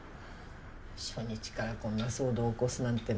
初日からこんな騒動を起こすなんて。